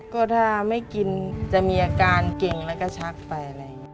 ก็ถ้าไม่กินจะมีอาการเก่งแล้วก็ชักไปอะไรอย่างนี้